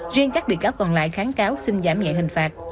riêng các bị cáo còn lại kháng cáo xin giảm nhẹ hình phạt